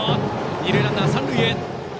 二塁ランナー、三塁へ。